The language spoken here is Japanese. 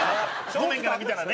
正面から見たら。